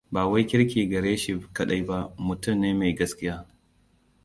Ba wai kirki gare shi kadai ba, mutum ne mai gaskiya.